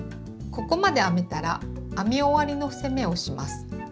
ここまで編めたら編み終わりの伏せ目をします。